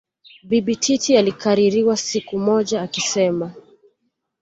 Bibi Titi alikaririwa siku moja akisema